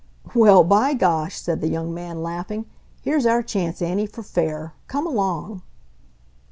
"Well, by gosh," said the young man, laughing. "Here's our chance, Annie, for fair! Come along!"